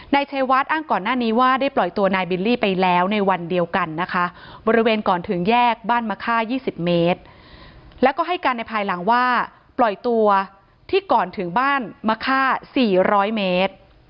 นายชัยวัดอ้างก่อนหน้านี้ว่าได้ปล่อยตัวนายบิลลี่ไปแล้วในวันเดียวกันนะคะบริเวณก่อนถึงแยกบ้านมะค่า๒๐เมตรแล้วก็ให้การในภายหลังว่าปล่อยตัวที่ก่อนถึงบ้านมะค่า๔๐๐เมตร